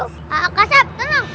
kak sepp tenang